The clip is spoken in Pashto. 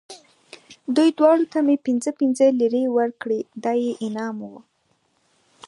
دوی دواړو ته مې پنځه پنځه لېرې ورکړې، دا یې انعام و.